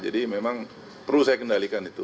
jadi memang perlu saya kendalikan itu